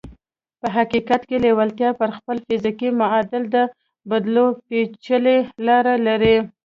په حقیقت کې لېوالتیا پر خپل فزیکي معادل د بدلېدو پېچلې لارې لري